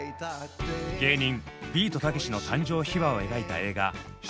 芸人ビートたけしの誕生秘話を描いた映画「浅草キッド」。